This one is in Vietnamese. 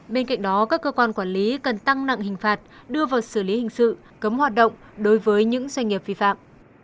bên cạnh đó các cơ quan quản lý cần tăng nặng hình phạt đưa vào xử lý hình sự cấm hoạt động đối với những doanh nghiệp vi phạm